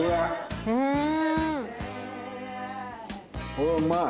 これうまい。